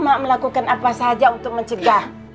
mak melakukan apa saja untuk mencegah